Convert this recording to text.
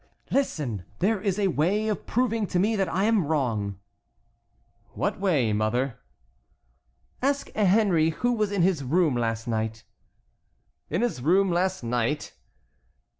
"Listen; there is a way of proving to me that I am wrong." "What way, mother?" "Ask Henry who was in his room last night." "In his room last night?"